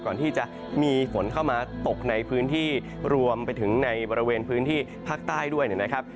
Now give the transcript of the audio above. ก่อนที่จะมีฝนเข้ามาตกในพื้นที่รวมไปถึงในบริเวณพื้นที่ภาคใต้ด้วยนะครับ